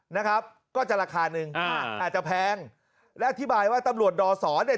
นะครับก็จะราคาหนึ่งอ่าอาจจะแพงและอธิบายว่าตำรวจดอสอเนี่ย